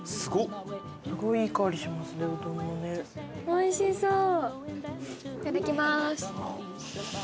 おいしそう。